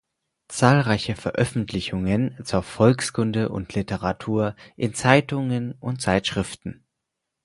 Zahlreiche Veröffentlichungen zur Volkskunde und Literatur in Zeitungen und Zeitschriften